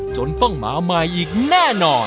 จนต้องมาใหม่อีกแน่นอน